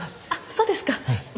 そうですか。